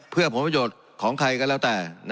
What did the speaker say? เพื่อผลประโยชน์ของใครก็แล้วแต่